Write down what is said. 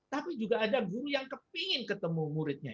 tapi juga ada guru yang kepingin ketemu muridnya